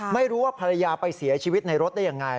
ไม่รู้ว่าภรรยาไปเสียชีวิตในรถได้ยังไง